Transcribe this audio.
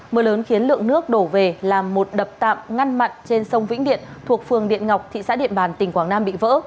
mưa lớn khiến lượng nước đổ về làm một đập tạm ngăn mặn trên sông vĩnh điện thuộc phường điện ngọc thị xã điện bàn tỉnh quảng nam bị vỡ